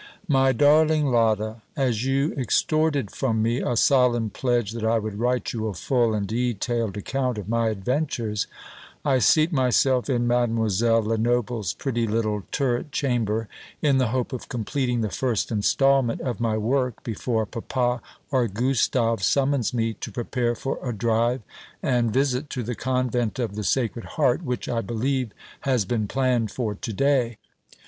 My darling Lotta, As you extorted from me a solemn pledge that I would write you a full and detailed account of my adventures, I seat myself in Mademoiselle Lenoble's pretty little turret chamber, in the hope of completing the first instalment of my work before papa or Gustave summons me to prepare for a drive and visit to the Convent of the Sacred Heart, which, I believe, has been planned for to day.